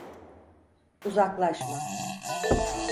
Uzaklaşma.